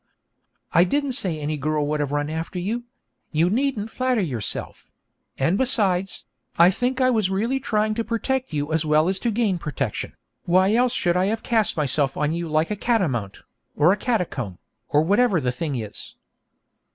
'I didn't say any girl would have run after you you needn't flatter yourself; and besides, I think I was really trying to protect you as well as to gain protection, else why should I have cast myself on you like a catamount, or a catacomb, or whatever the thing is?'